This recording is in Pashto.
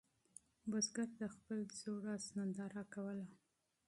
بزګر د خپل زوړ آس ننداره کوله.